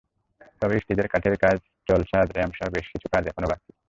তবে স্টেজের কাঠের কাজ, জলছাদ, র্যাম্পসহ বেশ কিছু কাজ এখনো বাকি।